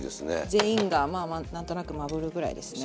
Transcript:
全員がまあ何となくまぶるぐらいですね。